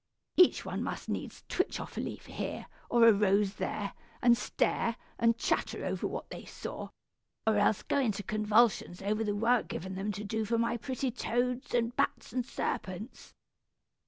Each one must needs twitch off a leaf here, or a rose there, and stare, and chatter over what they saw, or else go into convulsions over the work given them to do for my pretty toads, and bats, and serpents.